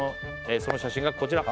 その写真がこちら！